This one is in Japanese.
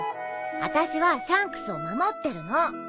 あたしはシャンクスを守ってるの。